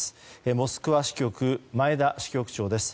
モスクワ支局、前田支局長です。